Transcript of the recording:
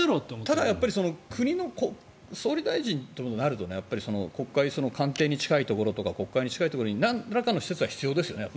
ただ国の総理大臣となると官邸に近いところか国会に近いところになんらかの施設は必要ですよね。